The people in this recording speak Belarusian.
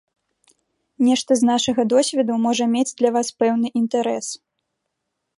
Нешта з нашага досведу можа мець для вас пэўны інтарэс.